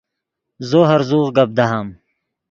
زو ہرزوغ گپ دہام